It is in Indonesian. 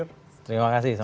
terima kasih sama sama